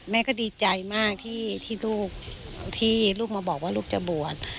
แม่ก็ดีใจมากที่ลูกว่าลูกจะบวช